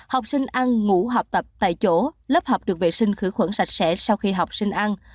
học sinh ăn ngủ học tập tại chỗ lớp học được vệ sinh khử khuẩn sạch sẽ sau khi học sinh ăn